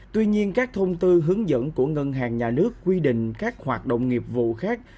tuy nhiên các thông tư hướng dẫn của ngân hàng nhà nước quy định các hoạt động nghiệp vụ khác